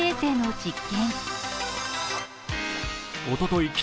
おととい